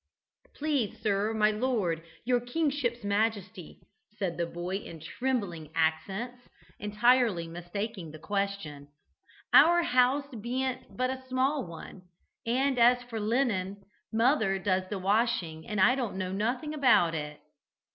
"Please, sir, my lord, your kingship's majesty," said the boy in trembling accents, entirely mistaking the question, "our house bean't but a small one, and as for linen, mother does the washing and I don't know nothing about it."